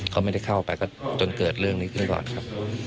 เขาไม่ได้เข้าไปก็จนเกิดเรื่องนี้ขึ้นก่อนครับ